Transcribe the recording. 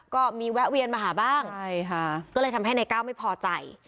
ก็มีแวะเวียนมาหาบ้างใช่ค่ะก็เลยทำให้นายก้าวไม่พอใจ